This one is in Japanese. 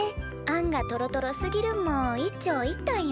あんがトロトロすぎるんも一長一短やなあ。